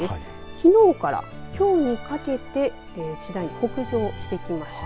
きのうからきょうにかけて次第に北上してきました。